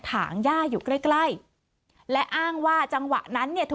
ถางย่าอยู่ใกล้ใกล้และอ้างว่าจังหวะนั้นเนี่ยเธอ